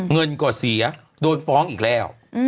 เงินกว่าสี่อะโดนฟ้องอีกแล้ว